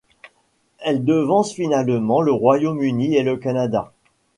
Elle devance finalement le Royaume-Uni et le Canada.